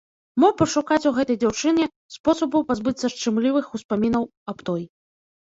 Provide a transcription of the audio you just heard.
Мо пашукаць у гэтай дзяўчыне спосабу пазбыцца шчымлівых успамінаў аб той.